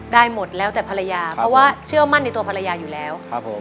ได้หมดแล้วแต่ภรรยาเพราะว่าเชื่อมั่นในตัวภรรยาอยู่แล้วครับผม